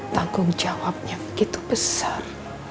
tanggung jawabnya begitu besar